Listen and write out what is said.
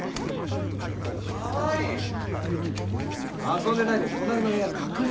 ・遊んでないで隣の部屋確認！